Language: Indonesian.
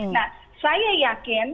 nah saya yakin